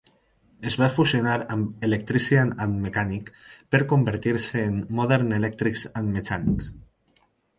Es va fusionar amb "Electrician and Mechanic" per convertir-se en "Modern Electrics and Mechanics".